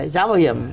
giá bảo hiểm